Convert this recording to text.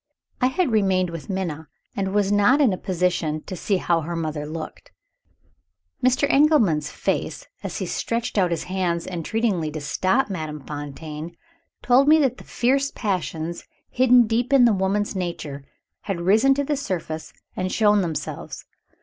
I had remained with Minna, and was not in a position to see how her mother looked. Mr. Engelman's face, as he stretched out his hands entreatingly to stop Madame Fontaine, told me that the fierce passions hidden deep in the woman's nature had risen to the surface and shown themselves.